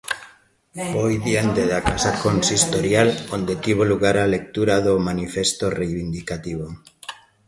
Foi diante da casa consistorial onde tivo lugar a lectura do manifesto reivindicativo.